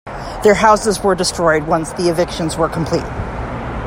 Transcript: Their houses were destroyed once the evictions were complete.